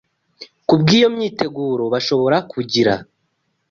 Kubw’iyo myiteguro bashobora kugira